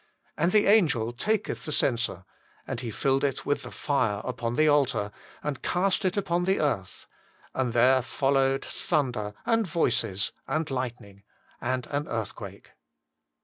And the angel taketh the censer; and he filled it with the fire upon the altar, and cast it upon the earth : and there followed thunder, and voices, and lightning, and an earthquake."